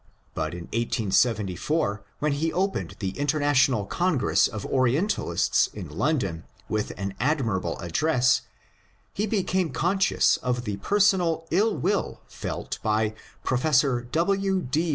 But in 1874, when he opened the International Congress of Oriental ists in London with an admirable address, he became con scious of the personal ill will felt by Prof. W. D.